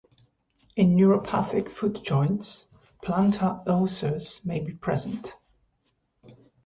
In neuropathic foot joints, plantar ulcers may be present.